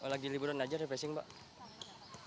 lagi liburan aja refreshing mbak